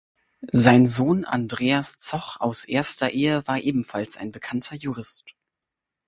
Sein Sohn Andreas Zoch aus erster Ehe war ebenfalls ein bekannter Jurist.